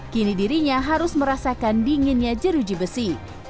kini dirinya harus merasakan dinginnya jeruji besi